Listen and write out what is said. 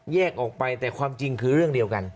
แยกออกไปแต่ความจริงคือเรื่องเดียวกัน